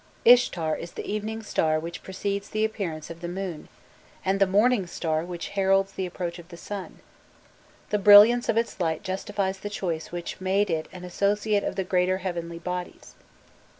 Ishtar is the evening star which precedes the appearance of the moon, and the morning star which heralds the approach of the sun: the brilliance of its light justifies the choice which made it an associate of the greater heavenly bodies.